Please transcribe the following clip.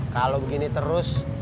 kalau begini terus